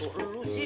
kok lu lu sih